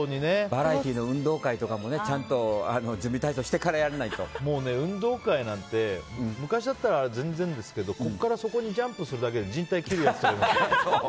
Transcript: バラエティーの運動会とかもちゃんと準備体操してから運動会なんて昔だったら全然ですけど、ここからそこにジャンプするだけでじん帯切るやつとか。